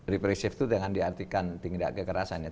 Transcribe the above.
represif itu dengan diartikan tindak kekerasannya